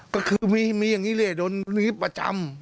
ก็คือมีอย่างนี้เลยเดินอย่างนี้ประจำ